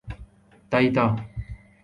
تائتا